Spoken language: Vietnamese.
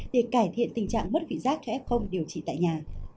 để cải thiện tình trạng mất vị giác cho f điều trị tại nhà